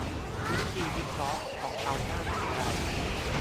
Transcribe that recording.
วิธีวิเคราะห์ของเขาน่าสนใจ